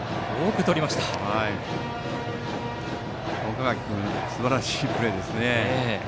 岡垣君すばらしいプレーですね。